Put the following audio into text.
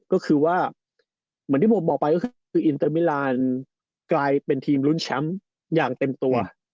ก็คือว่าเหมือนที่ผมบอกไปก็คืออินเตอร์มิลานกลายเป็นทีมรุ้นแชมป์อย่างเต็มตัว